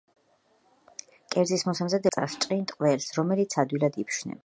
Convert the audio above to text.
კერძის მოსამზადებლად იყენებენ რძის ნაწარმს, ჭყინტ ყველს, რომელიც ადვილად იფშვნება.